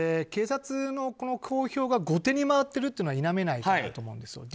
警察の公表が後手に回っているというのは否めないと思うんです。